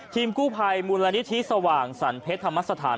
ทีมกู้ภัยมูลนิธิสว่างสรรเพชรธรรมสถาน